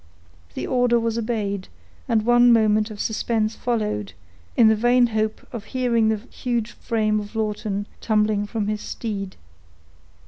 The order was obeyed, and one moment of suspense followed, in the vain hope of hearing the huge frame of Lawton tumbling from his steed.